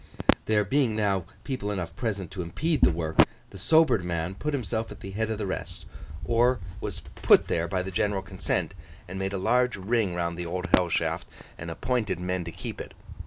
There being now people enough present to impede the work, the sobered man put himself at the head of the rest, or was put there by the general consent, and made a large ring round the Old Hell Shaft, and appointed men to keep it.